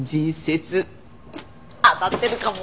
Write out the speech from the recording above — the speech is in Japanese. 当たってるかも。